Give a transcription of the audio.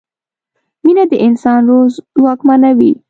مینه د انسان روح ځواکمنوي.